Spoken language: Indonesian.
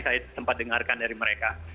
saya sempat dengarkan dari mereka